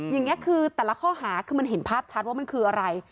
อย่างนี้คือแต่ละข้อหาคือมันเห็นภาพชัดว่ามันคืออะไร